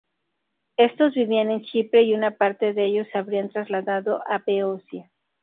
Estos vivían en Chipre y una parte de ellos se habría trasladado a Beocia.